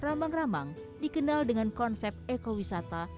ramang ramang dikenal dengan konsep ekowisata